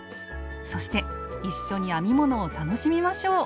そして一緒に編み物を楽しみましょう！